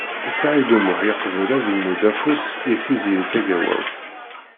Saɛid U Muḥ yeqbel ad imudd afus i Tiziri Tagawawt.